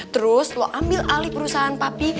terus lo ambil alih perusahaan papi